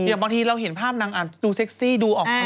อย่างบางทีเราเห็นภาพนางดูเซ็กซี่ดูออก